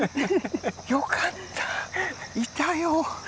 よかったいたよ！